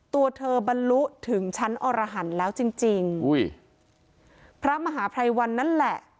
ตัวเธอบรรลุถึงชั้นอรหันต์แล้วจริงจริงอุ้ยพระมหาภัยวันนั่นแหละ